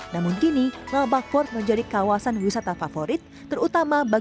namun kini lalabak fort menjadi kawasan wisata favorit terutama bagi warga dhaka